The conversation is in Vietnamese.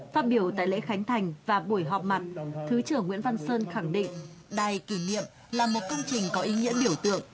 phát biểu tại lễ khánh thành và buổi họp mặt thứ trưởng nguyễn văn sơn khẳng định đài kỷ niệm là một công trình có ý nghĩa biểu tượng